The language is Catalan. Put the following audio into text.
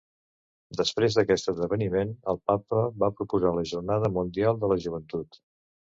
Després d'aquest esdeveniment, el Papa va proposar la Jornada Mundial de la Joventut.